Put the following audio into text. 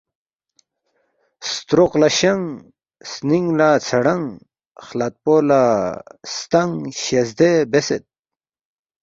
ستروق لا شنگ ، سنینگ لا ژھرنگ، خلدپو لا ستنگ شزدے بیاسید